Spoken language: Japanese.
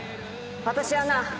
私はな